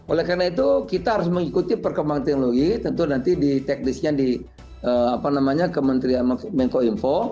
oleh karena itu kita harus mengikuti perkembang teknologi tentu nanti di tech list nya di apa namanya kementerian menkominfo